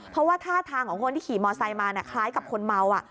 เพราะว่าท่าทางของคนที่ขี่มอไซค์มาคล้ายกับคนเมา